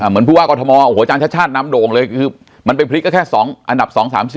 เหมือนพูดว่ากอทมโหจารย์ชาติน้ำโด่งเลยคือมันเป็นพลิกก็แค่๒อันดับ๒๓๔